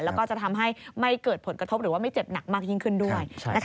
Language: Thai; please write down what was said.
แล้วก็จะทำให้ไม่เกิดผลกระทบหรือว่าไม่เจ็บหนักมากยิ่งขึ้นด้วย